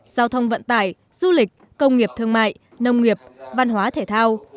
giao thông vận tải du lịch công nghiệp thương mại nông nghiệp văn hóa thể thao